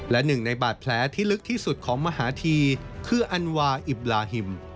และหนึ่งในบาดแผลที่ลึกที่สุดของมหาธีคืออันวาอิบลาฮิม